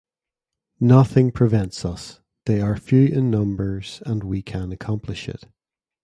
Nothing prevents us; they are few in numbers, and we can accomplish it.